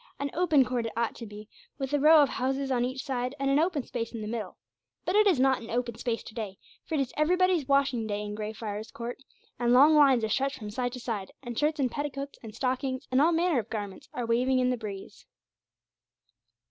An open court it ought to be, with a row of houses on each side, and an open space in the middle; but it is not an open space to day, for it is everybody's washing day in Grey Friars Court, and long lines are stretched from side to side, and shirts and petticoats and stockings and all manner of garments are waving in the breeze.